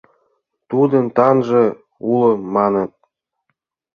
Тудын таҥже уло манын